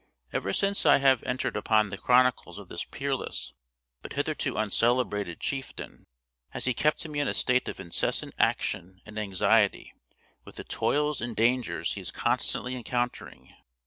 Ever since I have entered upon the chronicles of this peerless, but hitherto uncelebrated, chieftain, has he kept me in a state of incessant action and anxiety with the toils and dangers he is constantly encountering.